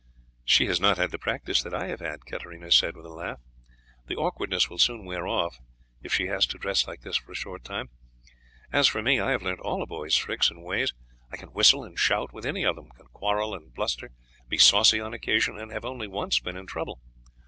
"She has not had the practice that I have had," Katarina said with a laugh; "the awkwardness will soon wear off if she has to dress like this for a short time. As for me, I have learnt all a boy's tricks and ways. I can whistle and shout with any of them, can quarrel, and bluster, be saucy on occasion, and have only once been in trouble."